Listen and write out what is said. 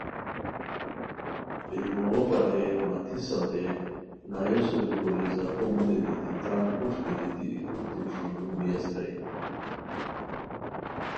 بیرموغو پالئے متی ساؤزئے نایو سوری کوری زاپو موژی دیتی تان کوݰکی دیتی ای گوݯتو ݰونگو بی استائے